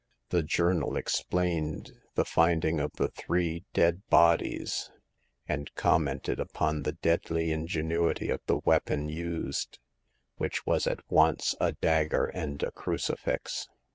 The journal explained the finding of the three dead bodies, and commented upon the deadly ingenuity of the weapon used, which was at once a dagger and a crucifix.